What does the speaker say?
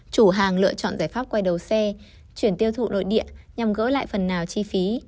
chủ hàng lựa chọn giải pháp quay đầu xe chuyển tiêu thụ nội địa nhằm gỡ lại phần nào chi phí